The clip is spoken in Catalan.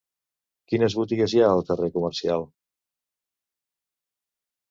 Quines botigues hi ha al carrer Comercial?